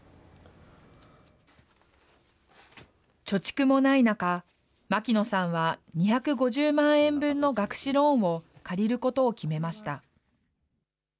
貯蓄もない中、牧野さんは２５０万円分の学資ローンを借りることを決めました。